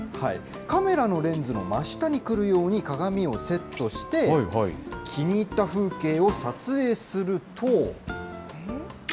カメラのレンズの真下に来るように鏡をセットして、気に入った風景を撮影すると。